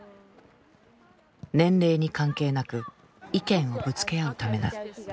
年齢に関係なく意見をぶつけ合うためだ。